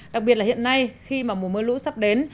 đặc biệt là hiện nay khi mà mùa mưa lũ sắp đến